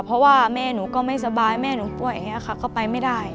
เพราะว่าแม่หนูก็ไม่สบายแม่หนูป่วยอย่างนี้ค่ะก็ไปไม่ได้